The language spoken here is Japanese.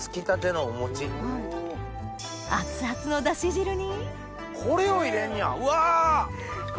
熱々のだし汁にこれを入れんねやうわ！